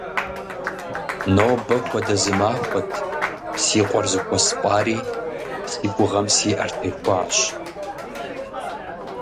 Нобэ хуэдэ зы махуает си къуэр зыхуэспӀари, си гугъэм си Ӏэр техуащ.